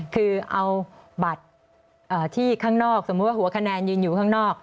คือเอาบัตรที่ข้างนอกสมมุติว่าหัวคะแนนยืนอยู่ข้างนอก